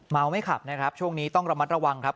ไม่ขับนะครับช่วงนี้ต้องระมัดระวังครับ